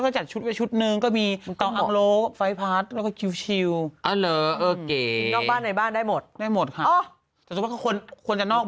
ใช่ค่ะให้กิน